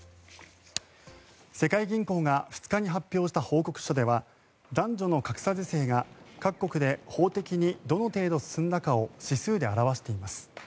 世界銀行が２日に発表した報告書では男女の格差是正が各国で法的にどの程度進んだかを数値で表しています。